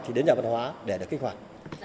thì đến nhà văn hóa để được kích hoạt